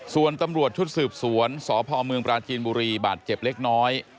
ส่วนตำรวจชุดสืบสวนสพเมืองปราจีนบุรีบาดเจ็บเล็กน้อย